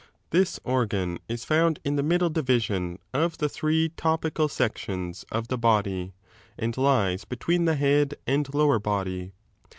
This organ is found in the middle division' of the three topical sections of the body, and lies between the bead and lower body.